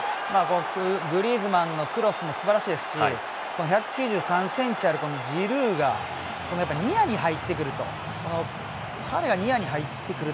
グリーズマンのクロスもすばらしいですし１９３ｃｍあればジルーがやっぱニアに入ってくると。